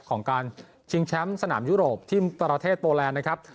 ของการชิงแชมป์สนามยุโรปที่ประเทศโปแลนด์นะครับ